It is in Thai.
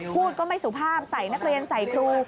พูดก็ไม่สุภาพใส่นักเรียนใส่ครู